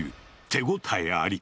手応えあり。